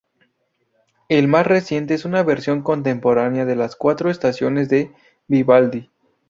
El más reciente es una versión contemporánea de Las Cuatro Estaciones de Vivaldi.